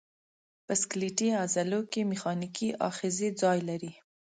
په سکلیټي عضلو کې میخانیکي آخذې ځای لري.